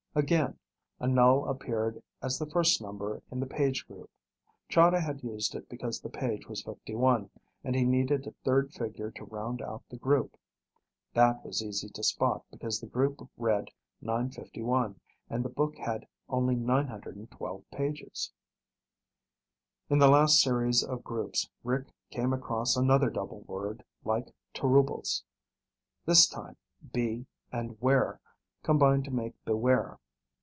Again, a null appeared as the first number in the page group. Chahda had used it because the page was 51 and he needed a third figure to round out the group. That was easy to spot because the group read 951 and the book had only 912 pages. In the last series of groups Rick came across another double word like "tarubles." This time, "be" and "ware" combined to make "beware."